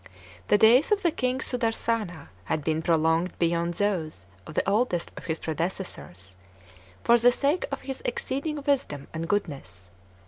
The days of the King Sudarsana had been prolonged beyond those of the oldest of his predecessors, for the sake of his exceeding wisdom and goodness.